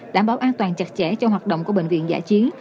đảm bảo an toàn chặt chẽ cho hoạt động của bệnh viện giả chiến